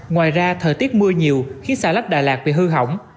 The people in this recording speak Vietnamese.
ngoài ra thời tiết mưa nhiều khiến xà lách đà lạt bị hư hỏng